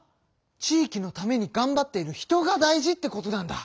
地域のためにがんばっている人が大事ってことなんだ！